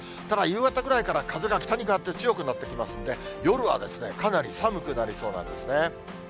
ただ夕方くらいから、風が北に変わって強くなってきますんで、夜はかなり寒くなりそうなんですね。